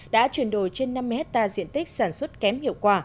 đã chuyển đổi trên năm mươi hectare diện tích sản xuất kém hiệu quả